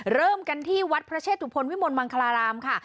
เริ่มกันที่วัดพระเชตุพลวิมลมังคลารามค่ะ